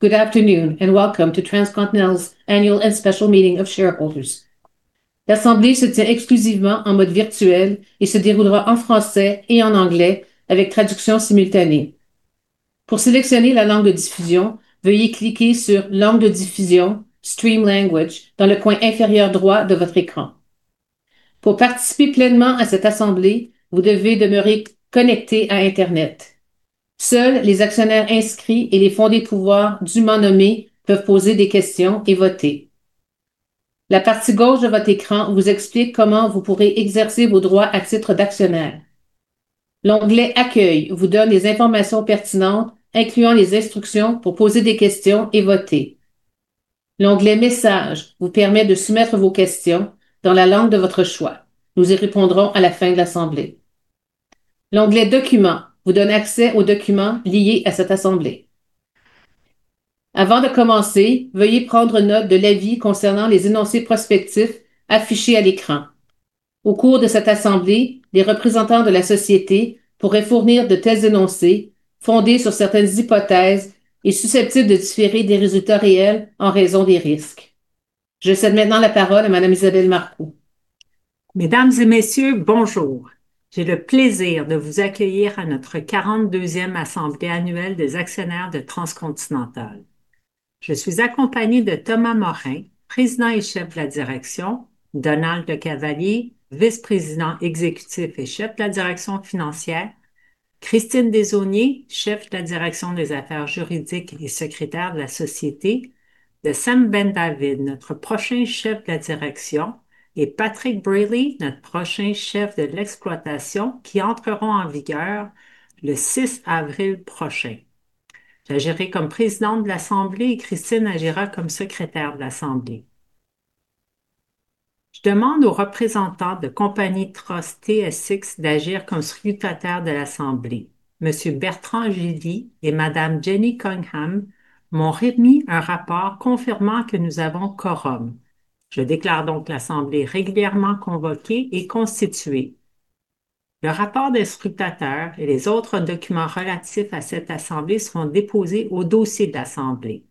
Good afternoon and welcome to Transcontinental's Annual and Special Meeting of Shareholders. L'assemblée se tient exclusivement en mode virtuel et se déroulera en français et en anglais avec traduction simultanée. Pour sélectionner la langue de diffusion, veuillez cliquer sur Langue de diffusion, Stream Language, dans le coin inférieur droit de votre écran. Pour participer pleinement à cette assemblée, vous devez demeurer connecté à Internet. Seuls les actionnaires inscrits et les fonds de pouvoir dûment nommés peuvent poser des questions et voter. La partie gauche de votre écran vous explique comment vous pourrez exercer vos droits à titre d'actionnaire. L'onglet Accueil vous donne les informations pertinentes, incluant les instructions pour poser des questions et voter. L'onglet Messages vous permet de soumettre vos questions dans la langue de votre choix. Nous y répondrons à la fin de l'assemblée. L'onglet Documents vous donne accès aux documents liés à cette assemblée. Avant de commencer, veuillez prendre note de l'avis concernant les énoncés prospectifs affichés à l'écran. Au cours de cette assemblée, des représentants de la société pourraient fournir de tels énoncés fondés sur certaines hypothèses et susceptibles de différer des résultats réels en raison des risques. Je cède maintenant la parole à Madame Isabelle Marcoux. Mesdames et messieurs, bonjour. J'ai le plaisir de vous accueillir à notre 42e assemblée annuelle des actionnaires de Transcontinental. Je suis accompagnée de Thomas Morin, président et chef de la direction, Donald LeCavalier, vice-président exécutif et chef de la direction financière, Christine Desaulniers, chef de la direction des affaires juridiques et secrétaire de la société, de Sam Bendavid, notre prochain chef de la direction, et Patrick Brayley, notre prochain chef de l'exploitation, qui entreront en vigueur le 6 avril prochain. J'agirai comme présidente de l'Assemblée et Christine agira comme secrétaire de l'Assemblée. Je demande aux représentants de TSX Trust Company d'agir comme scrutateurs de l'Assemblée. Monsieur Bertrand Gilly et madame Jenny Cunningham m'ont remis un rapport confirmant que nous avons quorum. Je déclare donc l'Assemblée régulièrement convoquée et constituée. Le rapport des scrutateurs et les autres documents relatifs à cette assemblée seront déposés au dossier de l'Assemblée.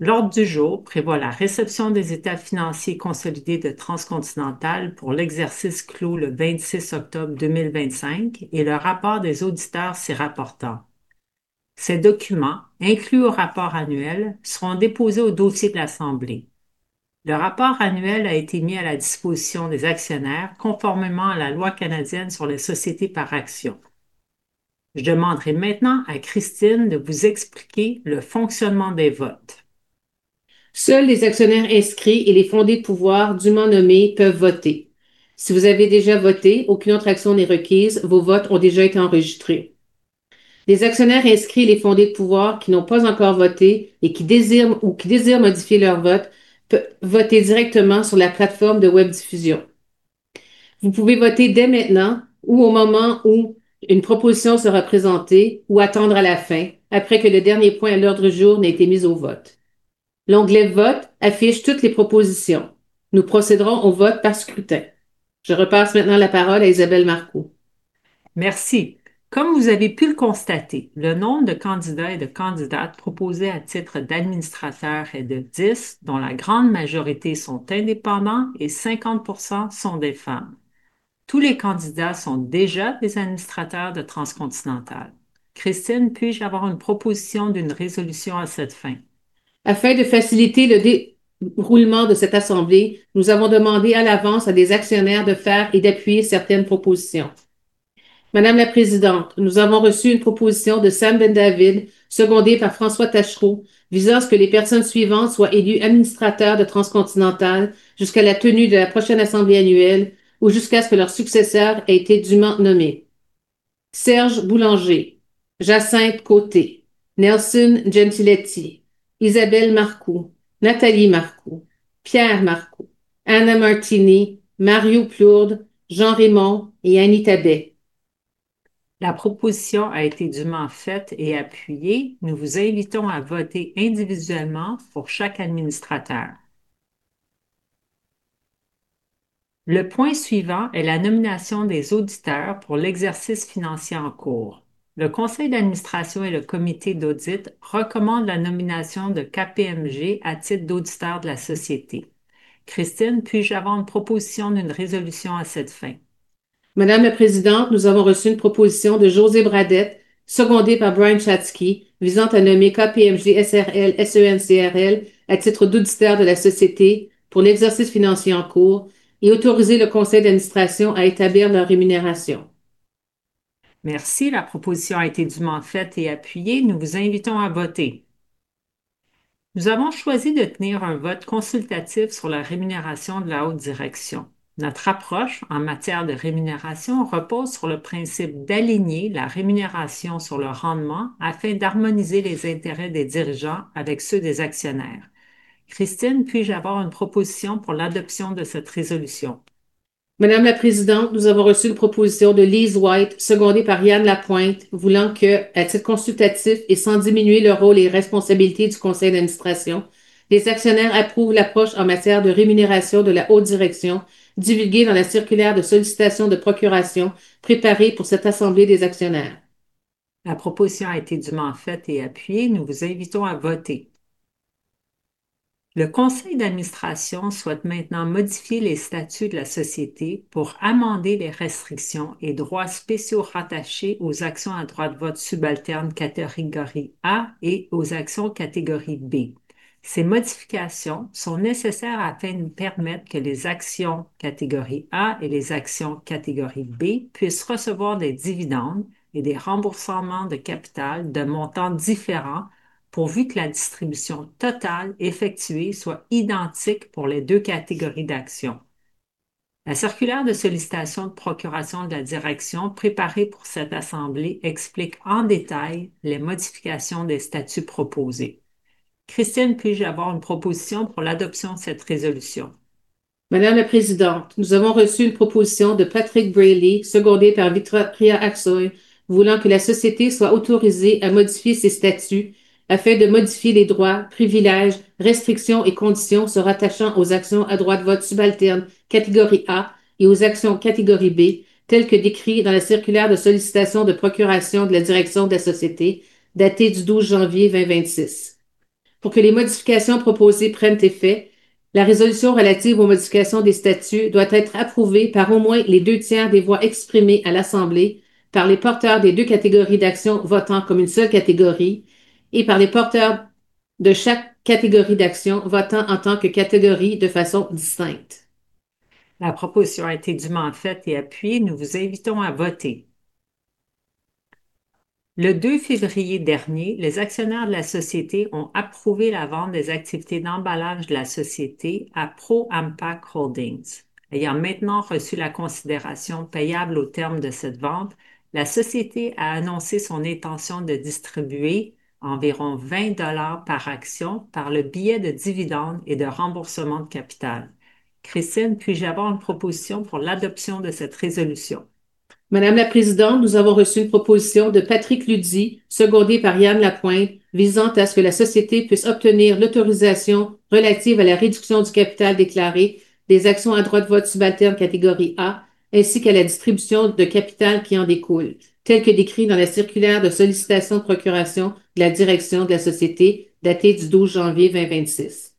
L'ordre du jour prévoit la réception des états financiers consolidés de Transcontinental pour l'exercice clos le 26 octobre 2025 et le rapport des auditeurs s'y rapportant. Ces documents, inclus au rapport annuel, seront déposés au dossier de l'Assemblée. Le rapport annuel a été mis à la disposition des actionnaires conformément à la loi canadienne sur les sociétés par actions. Je demanderai maintenant à Christine de vous expliquer le fonctionnement des votes. Seuls les actionnaires inscrits et les fondés de pouvoir dûment nommés peuvent voter. Si vous avez déjà voté, aucune autre action n'est requise, vos votes ont déjà été enregistrés. Les actionnaires inscrits et les fondés de pouvoir qui n'ont pas encore voté et qui désirent ou modifier leur vote peuvent voter directement sur la plateforme de webdiffusion. Vous pouvez voter dès maintenant ou au moment où une proposition sera présentée ou attendre à la fin après que le dernier point à l'ordre du jour n'ait été mis au vote. L'onglet Vote affiche toutes les propositions. Nous procéderons au vote par scrutin. Je repasse maintenant la parole à Isabelle Marcoux. Merci. Comme vous avez pu le constater, le nombre de candidats et de candidates proposés à titre d'administrateurs est de 10, dont la grande majorité sont indépendants et 50% sont des femmes. Tous les candidats sont déjà des administrateurs de Transcontinental. Christine, puis-je avoir une proposition d'une résolution à cette fin? Afin de faciliter le déroulement de cette assemblée, nous avons demandé à l'avance à des actionnaires de faire et d'appuyer certaines propositions. Madame la Présidente, nous avons reçu une proposition de Sam Bendavid, secondée par François Taschereau, visant à ce que les personnes suivantes soient élues administrateurs de Transcontinental jusqu'à la tenue de la prochaine assemblée annuelle ou jusqu'à ce que leur successeur ait été dûment nommé. Serge Boulanger, Jacynthe Côté, Nelson Gentiletti, Isabelle Marcoux, Nathalie Marcoux, Pierre Marcoux, Anna Martini, Mario Plourde, Jean Raymond et Annie Tabet. La proposition a été dûment faite et appuyée. Nous vous invitons à voter individuellement pour chaque administrateur. Le point suivant est la nomination des auditeurs pour l'exercice financier en cours. Le conseil d'administration et le comité d'audit recommandent la nomination de KPMG à titre d'auditeur de la société. Christine, puis-je avoir une proposition d'une résolution à cette fin? Madame la Présidente, nous avons reçu une proposition de José Bradette secondée par Brian Chatzky visant à nommer KPMG s.r.l./S.E.N.C.R.L. à titre d'auditeur de la société pour l'exercice financier en cours et autoriser le conseil d'administration à établir leur rémunération. Merci. La proposition a été dûment faite et appuyée. Nous vous invitons à voter. Nous avons choisi de tenir un vote consultatif sur la rémunération de la haute direction. Notre approche en matière de rémunération repose sur le principe d'aligner la rémunération sur le rendement afin d'harmoniser les intérêts des dirigeants avec ceux des actionnaires. Christine, puis-je avoir une proposition pour l'adoption de cette résolution? Madame la Présidente, nous avons reçu une proposition de Lise White, secondée par Yan Lapointe, voulant que, à titre consultatif et sans diminuer le rôle et responsabilités du conseil d'administration. Les actionnaires approuvent l'approche en matière de rémunération de la haute direction divulguée dans la circulaire de sollicitation de procuration préparée pour cette assemblée des actionnaires. La proposition a été dûment faite et appuyée. Nous vous invitons à voter. Le conseil d'administration souhaite maintenant modifier les statuts de la société pour amender les restrictions et droits spéciaux rattachés aux actions à droit de vote subalterne catégorie A et aux actions catégorie B. Ces modifications sont nécessaires afin de permettre que les actions catégorie A et les actions catégorie B puissent recevoir des dividendes et des remboursements de capital de montants différents, pourvu que la distribution totale effectuée soit identique pour les deux catégories d'actions. La circulaire de sollicitation de procuration de la direction préparée pour cette assemblée explique en détail les modifications des statuts proposées. Christine, puis-je avoir une proposition pour l'adoption de cette résolution? Madame la Présidente, nous avons reçu une proposition de Patrick Brayley, secondée par Victoria Aksoy, voulant que la société soit autorisée à modifier ses statuts afin de modifier les droits, privilèges, restrictions et conditions se rattachant aux actions à droit de vote subalterne catégorie A et aux actions catégorie B, telles que décrites dans la circulaire de sollicitation de procuration de la direction de la société, datée du 12 janvier 2026. Pour que les modifications proposées prennent effet, la résolution relative aux modifications des statuts doit être approuvée par au moins les deux tiers des voix exprimées à l'assemblée par les porteurs des deux catégories d'actions votant comme une seule catégorie et par les porteurs de chaque catégorie d'actions votant en tant que catégorie de façon distincte. La proposition a été dûment faite et appuyée. Nous vous invitons à voter. Le 2 février dernier, les actionnaires de la société ont approuvé la vente des activités d'emballage de la société à ProAmpac Holdings. Ayant maintenant reçu la considération payable au terme de cette vente, la société a annoncé son intention de distribuer environ 20 par action par le biais de dividendes et de remboursements de capital. Christine, puis-je avoir une proposition pour l'adoption de cette résolution? Madame la Présidente, nous avons reçu une proposition de Patrick Lutzy, secondée par Yan Lapointe, visant à ce que la société puisse obtenir l'autorisation relative à la réduction du capital déclaré des actions en droit de vote subalterne catégorie A, ainsi qu'à la distribution de capital qui en découle, tel que décrit dans la circulaire de sollicitation de procuration de la direction de la société datée du 12 janvier 2026.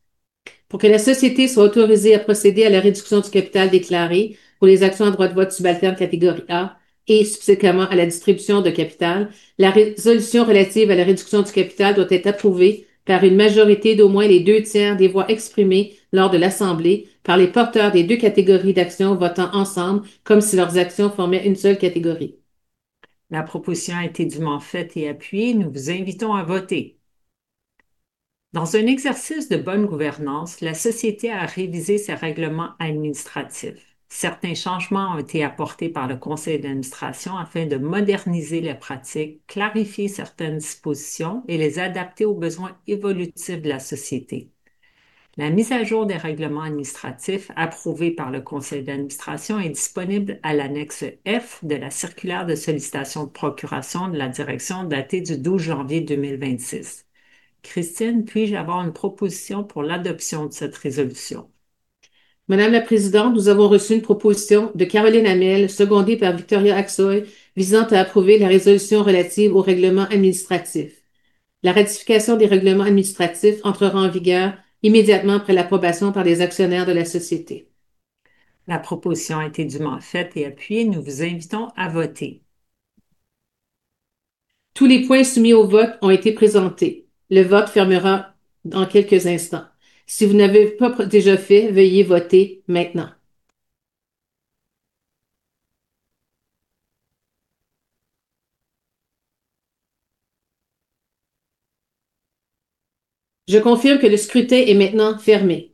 Pour que la société soit autorisée à procéder à la réduction du capital déclaré pour les actions en droit de vote subalterne catégorie A et subséquemment à la distribution de capital, la résolution relative à la réduction du capital doit être approuvée par une majorité d'au moins les deux tiers des voix exprimées lors de l'assemblée par les porteurs des deux catégories d'actions votant ensemble, comme si leurs actions formaient une seule catégorie. La proposition a été dûment faite et appuyée. Nous vous invitons à voter. Dans un exercice de bonne gouvernance, la société a révisé ses règlements administratifs. Certains changements ont été apportés par le conseil d'administration afin de moderniser les pratiques, clarifier certaines dispositions et les adapter aux besoins évolutifs de la société. La mise à jour des règlements administratifs approuvée par le conseil d'administration est disponible à l'annexe F de la circulaire de sollicitation de procuration de la direction datée du 12 janvier 2026. Christine, puis-je avoir une proposition pour l'adoption de cette résolution? Madame la Présidente, nous avons reçu une proposition de Caroline Hamel, secondée par Victoria Aksoy, visant à approuver la résolution relative aux règlements administratifs. La ratification des règlements administratifs entrera en vigueur immédiatement après l'approbation par les actionnaires de la société. La proposition a été dûment faite et appuyée. Nous vous invitons à voter. Tous les points soumis au vote ont été présentés. Le vote fermera dans quelques instants. Si vous ne l'avez pas déjà fait, veuillez voter maintenant. Je confirme que le scrutin est maintenant fermé.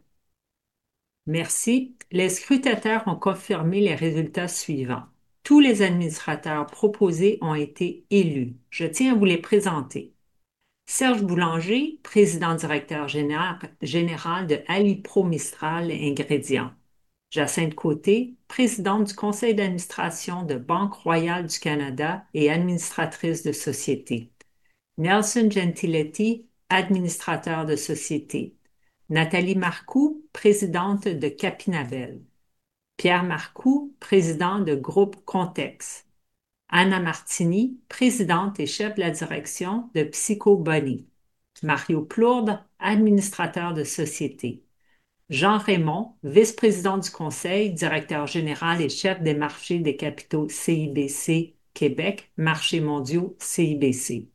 Merci. Les scrutateurs ont confirmé les résultats suivants. Tous les administrateurs proposés ont été élus. Je tiens à vous les présenter. Serge Boulanger, Président-directeur général de Alipro-Mistral Ingrédients. Jacynthe Côté, Présidente du conseil d'administration de Banque Royale du Canada et administratrice de société. Nelson Gentiletti, administrateur de société. Nathalie Marcoux, Présidente de Capinabel. Pierre Marcoux, Président de Groupe Contex. Anna Martini, Présidente et chef de la direction de Psycho Bunny. Mario Plourde, administrateur de société. Jean Raymond, vice-président du conseil, directeur général et chef des marchés des capitaux CIBC Québec, marchés mondiaux CIBC.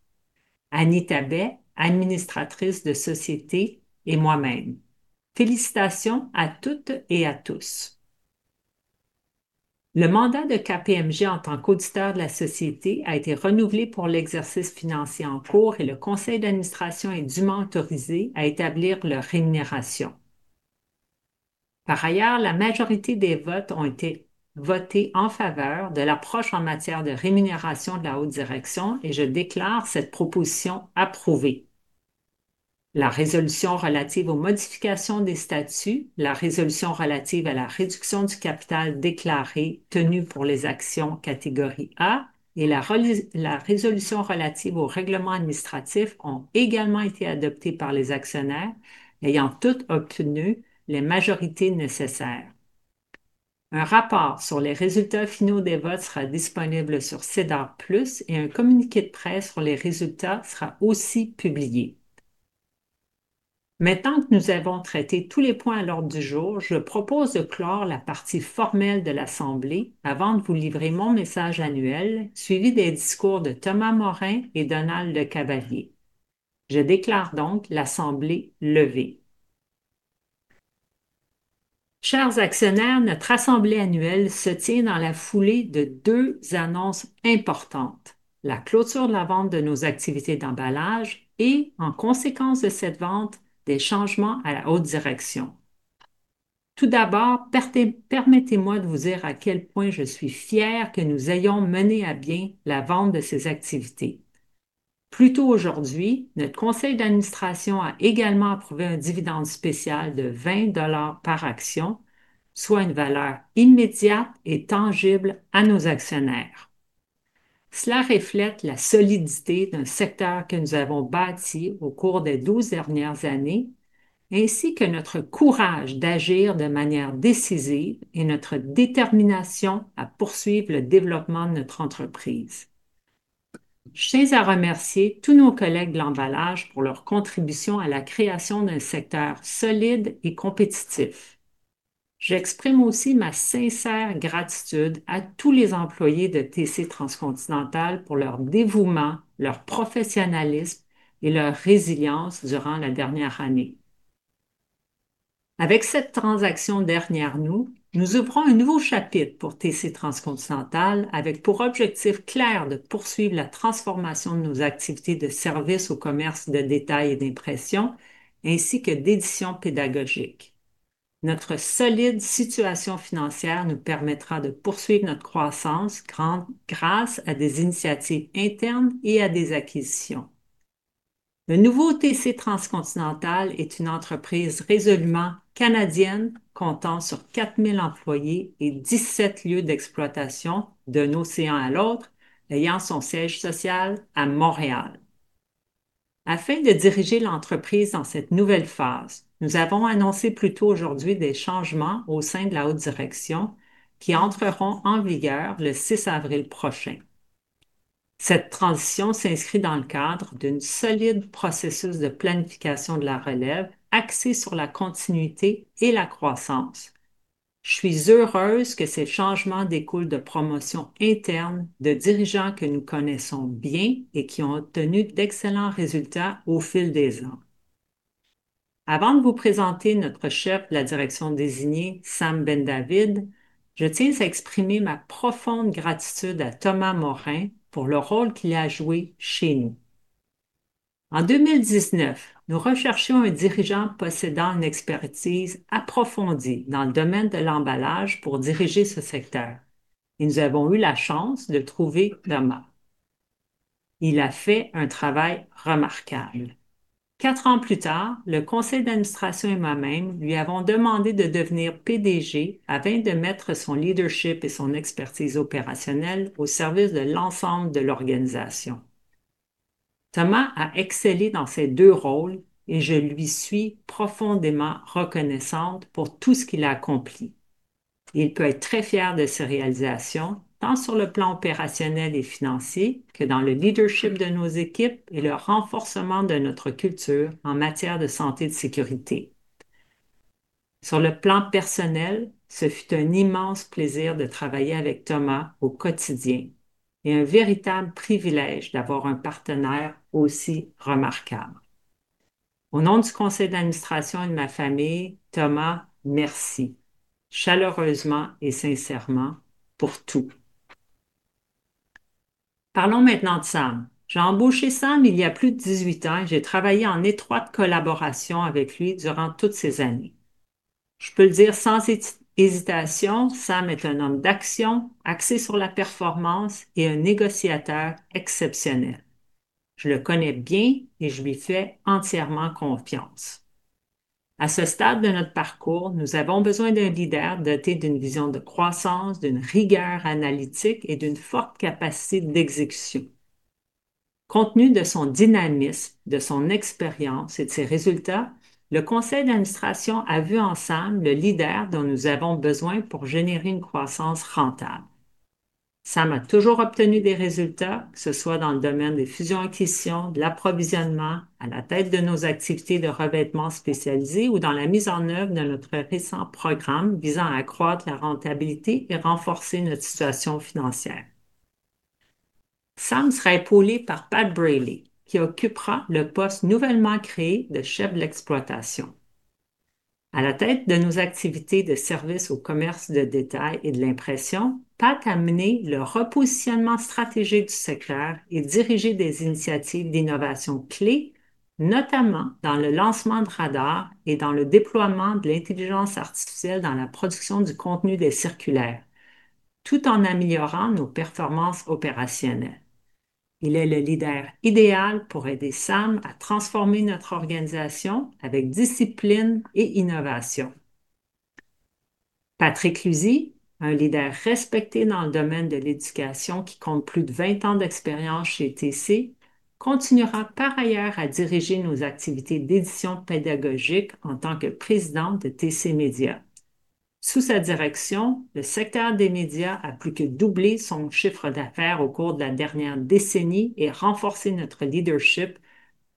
Annie Tabet, administratrice de société et moi-même. Félicitations à toutes et à tous. Le mandat de KPMG en tant qu'auditeur de la société a été renouvelé pour l'exercice financier en cours et le conseil d'administration est dûment autorisé à établir leur rémunération. Par ailleurs, la majorité des votes ont été votés en faveur de l'approche en matière de rémunération de la haute direction et je déclare cette proposition approuvée. La résolution relative aux modifications des statuts, la résolution relative à la réduction du capital déclaré tenu pour les actions catégorie A et la résolution relative aux règlements administratifs ont également été adoptées par les actionnaires ayant toutes obtenu les majorités nécessaires. Un rapport sur les résultats finaux des votes sera disponible sur SEDAR+ et un communiqué de presse sur les résultats sera aussi publié. Maintenant que nous avons traité tous les points à l'ordre du jour, je propose de clore la partie formelle de l'assemblée avant de vous livrer mon message annuel, suivi des discours de Thomas Morin et Donald LeCavalier. Je déclare donc l'assemblée levée. Chers actionnaires, notre assemblée annuelle se tient dans la foulée de deux annonces importantes, la clôture de la vente de nos activités d'emballage et, en conséquence de cette vente, des changements à la haute direction. Tout d'abord, permettez-moi de vous dire à quel point je suis fière que nous ayons mené à bien la vente de ces activités. Plus tôt aujourd'hui, notre conseil d'administration a également approuvé un dividende spécial de 20 par action, soit une valeur immédiate et tangible à nos actionnaires. Cela reflète la solidité d'un secteur que nous avons bâti au cours des 12 dernières années, ainsi que notre courage d'agir de manière décisive et notre détermination à poursuivre le développement de notre entreprise. Je tiens à remercier tous nos collègues de l'emballage pour leur contribution à la création d'un secteur solide et compétitif. J'exprime aussi ma sincère gratitude à tous les employés de TC Transcontinental pour leur dévouement, leur professionnalisme et leur résilience durant la dernière année. Avec cette transaction derrière nous ouvrons un nouveau chapitre pour TC Transcontinental avec pour objectif clair de poursuivre la transformation de nos activités de services au commerce de détail et d'impression ainsi que d'édition pédagogique. Notre solide situation financière nous permettra de poursuivre notre croissance grâce à des initiatives internes et à des acquisitions. Le nouveau TC Transcontinental est une entreprise résolument canadienne comptant sur 4,000 employés et 17 lieux d'exploitation d'un océan à l'autre, ayant son siège social à Montréal. Afin de diriger l'entreprise dans cette nouvelle phase, nous avons annoncé plus tôt aujourd'hui des changements au sein de la haute direction qui entreront en vigueur le six avril prochain. Cette transition s'inscrit dans le cadre d'un solide processus de planification de la relève axé sur la continuité et la croissance. Je suis heureuse que ces changements découlent de promotions internes de dirigeants que nous connaissons bien et qui ont obtenu d'excellents résultats au fil des ans. Avant de vous présenter notre chef de la direction désigné, Sam Bendavid, je tiens à exprimer ma profonde gratitude à Thomas Morin pour le rôle qu'il a joué chez nous. En 2019, nous recherchions un dirigeant possédant une expertise approfondie dans le domaine de l'emballage pour diriger ce secteur. Nous avons eu la chance de trouver Thomas. Il a fait un travail remarquable. Quatre ans plus tard, le conseil d'administration et moi-même lui avons demandé de devenir PDG afin de mettre son leadership et son expertise opérationnelle au service de l'ensemble de l'organisation. Thomas a excellé dans ses deux rôles et je lui suis profondément reconnaissante pour tout ce qu'il a accompli. Il peut être très fier de ses réalisations, tant sur le plan opérationnel et financier que dans le leadership de nos équipes et le renforcement de notre culture en matière de santé et de sécurité. Sur le plan personnel, ce fut un immense plaisir de travailler avec Thomas au quotidien et un véritable privilège d'avoir un partenaire aussi remarquable. Au nom du conseil d'administration et de ma famille, Thomas, merci chaleureusement et sincèrement pour tout. Parlons maintenant de Sam. J'ai embauché Sam il y a plus de dix-huit ans et j'ai travaillé en étroite collaboration avec lui durant toutes ces années. Je peux le dire sans hésitation, Sam est un homme d'action axé sur la performance et un négociateur exceptionnel. Je le connais bien et je lui fais entièrement confiance. À ce stade de notre parcours, nous avons besoin d'un leader doté d'une vision de croissance, d'une rigueur analytique et d'une forte capacité d'exécution. Compte tenu de son dynamisme, de son expérience et de ses résultats, le conseil d'administration a vu en Sam le leader dont nous avons besoin pour générer une croissance rentable. Sam a toujours obtenu des résultats, que ce soit dans le domaine des fusions-acquisitions, de l'approvisionnement, à la tête de nos activités de revêtement spécialisées ou dans la mise en œuvre de notre récent programme visant à accroître la rentabilité et renforcer notre situation financière. Sam sera épaulé par Pat Brayley, qui occupera le poste nouvellement créé de chef de l'exploitation. À la tête de nos activités de services au commerce de détail et de l'impression, Pat a mené le repositionnement stratégique du secteur et dirigé des initiatives d'innovation clés, notamment dans le lancement de raddar et dans le déploiement de l'intelligence artificielle dans la production du contenu des circulaires, tout en améliorant nos performances opérationnelles. Il est le leader idéal pour aider Sam à transformer notre organisation avec discipline et innovation. Patrick Lutzy, un leader respecté dans le domaine de l'éducation qui compte plus de 20 ans d'expérience chez TC. Continuera par ailleurs à diriger nos activités d'édition pédagogique en tant que présidente de TC Media. Sous sa direction, le secteur des médias a plus que doublé son chiffre d'affaires au cours de la dernière décennie et renforcé notre leadership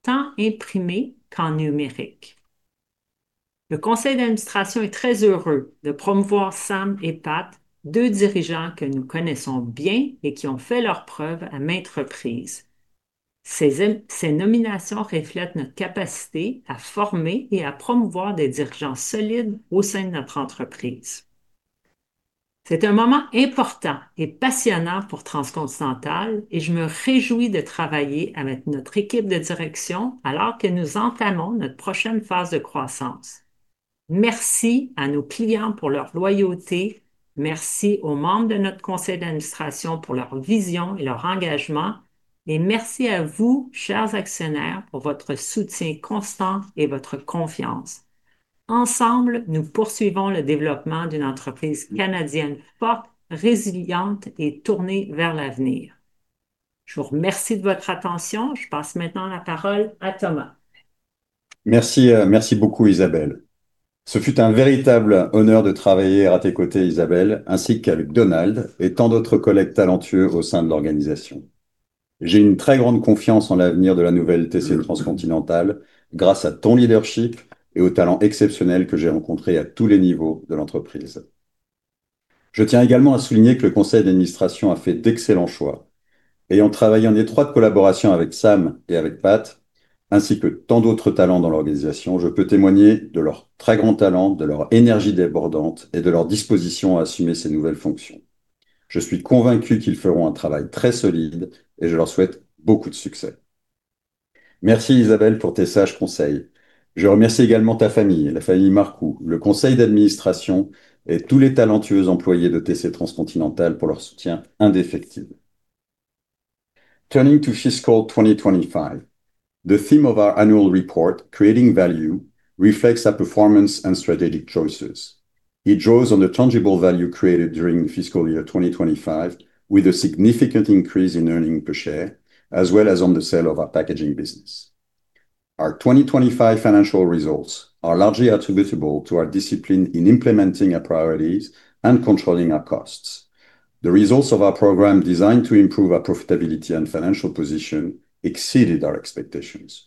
tant imprimé qu'en numérique. Le conseil d'administration est très heureux de promouvoir Sam et Pat, deux dirigeants que nous connaissons bien et qui ont fait leurs preuves à maintes reprises. Ces nominations reflètent notre capacité à former et à promouvoir des dirigeants solides au sein de notre entreprise. C'est un moment important et passionnant pour Transcontinental et je me réjouis de travailler avec notre équipe de direction alors que nous entamons notre prochaine phase de croissance. Merci à nos clients pour leur loyauté. Merci aux membres de notre conseil d'administration pour leur vision et leur engagement et merci à vous, chers actionnaires, pour votre soutien constant et votre confiance. Ensemble, nous poursuivons le développement d'une entreprise canadienne forte, résiliente et tournée vers l'avenir. Je vous remercie de votre attention. Je passe maintenant la parole à Thomas. Merci. Merci beaucoup Isabelle. Ce fut un véritable honneur de travailler à tes côtés, Isabelle, ainsi qu'à Donald LeCavalier et tant d'autres collègues talentueux au sein de l'organisation. J'ai une très grande confiance en l'avenir de la nouvelle TC Transcontinental, grâce à ton leadership et au talent exceptionnel que j'ai rencontré à tous les niveaux de l'entreprise. Je tiens également à souligner que le conseil d'administration a fait d'excellents choix. Ayant travaillé en étroite collaboration avec Sam et avec Pat, ainsi que tant d'autres talents dans l'organisation, je peux témoigner de leur très grand talent, de leur énergie débordante et de leur disposition à assumer ces nouvelles fonctions. Je suis convaincu qu'ils feront un travail très solide et je leur souhaite beaucoup de succès. Merci Isabelle pour tes sages conseils. Je remercie également ta famille, la famille Marcoux, le conseil d'administration et tous les talentueux employés de TC Transcontinental pour leur soutien indéfectible. Turning to fiscal 2025, the theme of our annual report, Creating Value, reflects our performance and strategic choices. It draws on the tangible value created during fiscal year 2025 with a significant increase in earnings per share as well as on the sale of our packaging business. Our 2025 financial results are largely attributable to our discipline in implementing our priorities and controlling our costs. The results of our program designed to improve our profitability and financial position exceeded our expectations.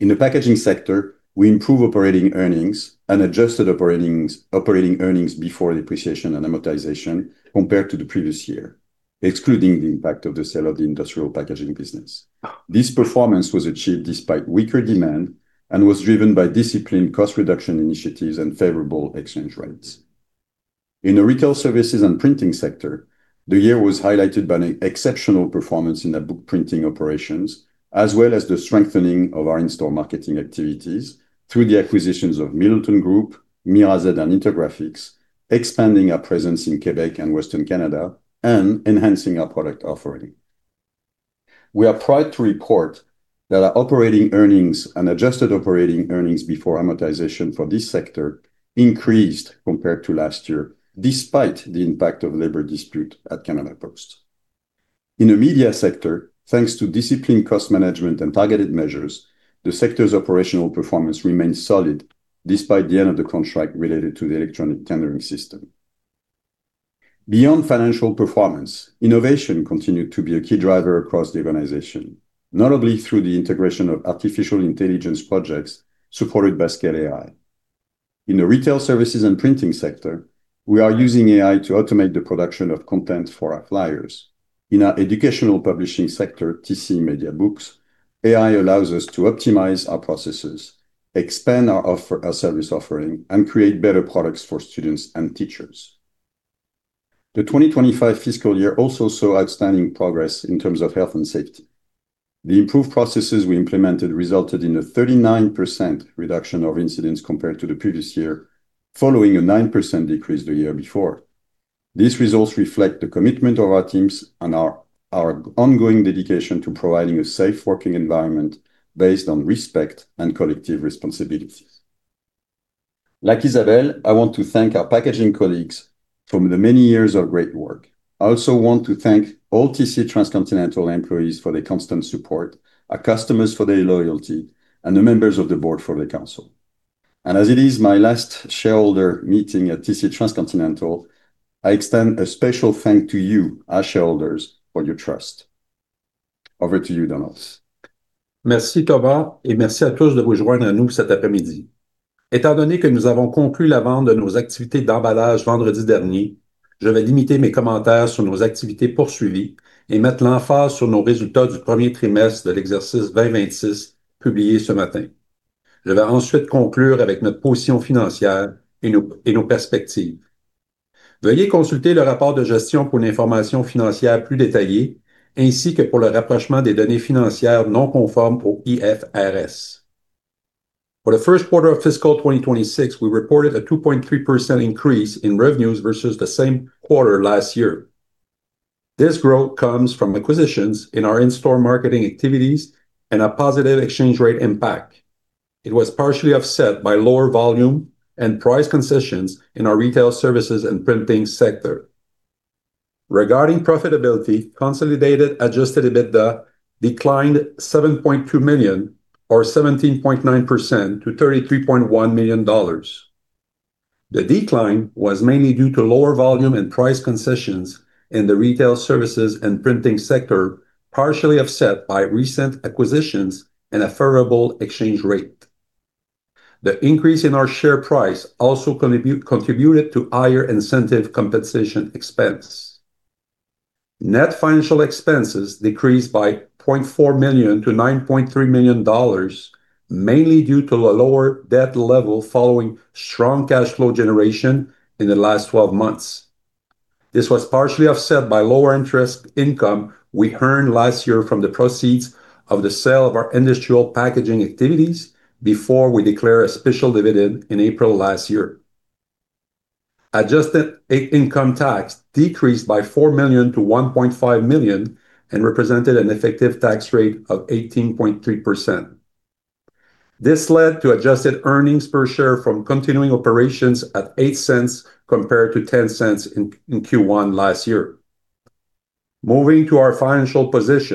In the packaging sector, we improve operating earnings and adjusted operating earnings before depreciation and amortization compared to the previous year, excluding the impact of the sale of the industrial packaging business. This performance was achieved despite weaker demand and was driven by disciplined cost reduction initiatives and favorable exchange rates. In the retail services and printing sector, the year was highlighted by an exceptional performance in the book printing operations, as well as the strengthening of our in-store marketing activities through the acquisitions of Middleton Group, Mirazed and Intergraphics, expanding our presence in Quebec and Western Canada and enhancing our product offering. We are proud to report that our operating earnings and adjusted operating earnings before amortization for this sector increased compared to last year despite the impact of labor dispute at Canada Post. In the media sector, thanks to disciplined cost management and targeted measures, the sector's operational performance remains solid despite the end of the contract related to the electronic tendering system. Beyond financial performance, innovation continued to be a key driver across the organization, notably through the integration of artificial intelligence projects supported by Scale AI. In the retail services and printing sector, we are using AI to automate the production of content for our flyers. In our educational publishing sector, TC Media Books, AI allows us to optimize our processes, expand our offer, our service offering, and create better products for students and teachers. The 2025 fiscal year also saw outstanding progress in terms of health and safety. The improved processes we implemented resulted in a 39% reduction of incidents compared to the previous year, following a 9% decrease the year before. These results reflect the commitment of our teams and our ongoing dedication to providing a safe working environment based on respect and collective responsibilities. Like Isabelle, I want to thank our packaging colleagues for the many years of great work. I also want to thank all TC Transcontinental employees for their constant support, our customers for their loyalty, and the members of the board for their counsel. As it is my last shareholder meeting at TC Transcontinental, I extend a special thanks to you, our shareholders, for your trust. Over to you, Donald. Merci Thomas et merci à tous de vous joindre à nous cet après-midi. Étant donné que nous avons conclu la vente de nos activités d'emballage vendredi dernier, je vais limiter mes commentaires sur nos activités poursuivies et mettre l'emphase sur nos résultats du premier trimestre de l'exercice 2026 publié ce matin. Je vais ensuite conclure avec notre position financière et nos perspectives. Veuillez consulter le rapport de gestion pour l'information financière plus détaillée ainsi que pour le rapprochement des données financières non conformes au IFRS. For the first quarter of fiscal 2026, we reported a 2.3% increase in revenues versus the same quarter last year. This growth comes from acquisitions in our in-store marketing activities and a positive exchange rate impact. It was partially offset by lower volume and price concessions in our retail services and printing sector. Regarding profitability, consolidated adjusted EBITDA declined 7.2 million or 17.9% to 33.1 million dollars. The decline was mainly due to lower volume and price concessions in the retail services and printing sector, partially offset by recent acquisitions and a favorable exchange rate. The increase in our share price also contributed to higher incentive compensation expense. Net financial expenses decreased by 0.4 million to 9.3 million dollars, mainly due to a lower debt level following strong cash flow generation in the last 12 months. This was partially offset by lower interest income we earned last year from the proceeds of the sale of our industrial packaging activities before we declared a special dividend in April last year. Adjusted income tax decreased by 4 million to 1.5 million and represented an effective tax rate of 18.3%. This led to adjusted earnings per share from continuing operations at 0.08 compared to 0.10 in Q1 last year. Moving to our financial position.